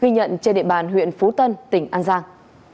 ghi nhận trên địa bàn huyện phú tân tỉnh an giang